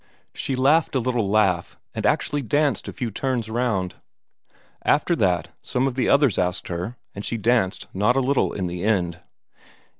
she laughed a little laugh and actually danced a few turns round. After that, some of the others asked her, and she danced not a little in the end.